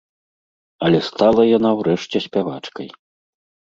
Але стала яна ўрэшце спявачкай.